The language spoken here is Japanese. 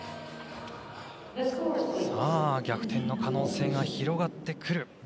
逆転の可能性が広がってくる。